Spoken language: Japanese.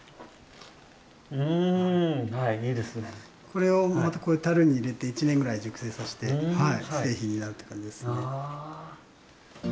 これをまたこういう樽に入れて１年ぐらい熟成させて製品になるって感じですね。